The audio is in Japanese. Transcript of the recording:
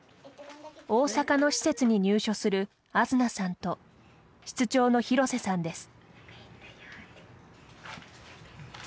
大阪の施設に入所するあづなさんと室長の廣瀬さんです。